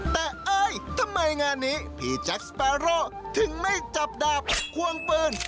แต่เอ้ยทำไมงานนี้พี่แจ็คสเปโร่ถึงไม่จับดาบควงปืน